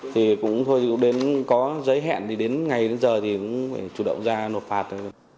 thì cũng thôi có giấy hẹn thì đến ngày đến giờ thì cũng phải chủ động ra nộp phạt